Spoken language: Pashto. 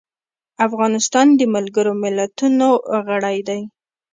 افغانستان د ملګرو ملتونو غړی دی.